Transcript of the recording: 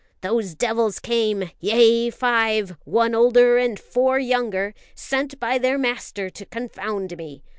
those devils came yea, five, one older and four younger sent by their master to confound me.